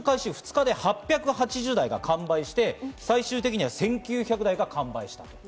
２日で８８０台が完売して最終的には１９００台が完売しました。